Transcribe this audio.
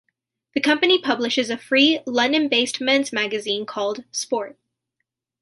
The company publishes a free, London-based men's magazine called "Sport".